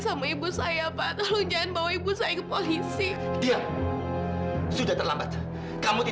sudah dosa pisah lagi